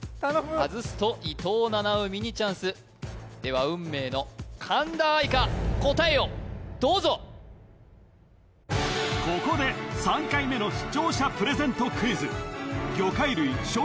外すと伊藤七海にチャンスでは運命の神田愛花答えをどうぞここで３回目の視聴者プレゼント